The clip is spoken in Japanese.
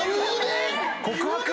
告白？